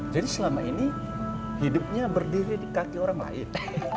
jadi selama ini hidupnya berdiri di kaki orang lain